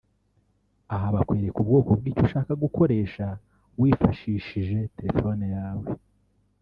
aha bakwereka ubwoko bw’icyo ushaka gukoresha wifashishije telefone yawe